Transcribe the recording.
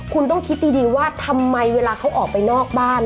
คุณต้องคิดดีว่าทำไมเวลาเขาออกไปนอกบ้าน